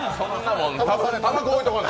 たばこ置いとかな。